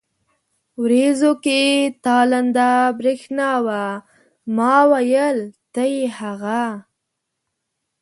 ورېځو کې تالنده برېښنا وه، ما وېل ته يې هغه.